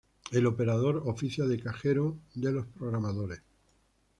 El operador oficia de "cajero" de los programadores.